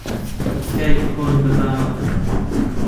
کای کۆن بەبا مەکە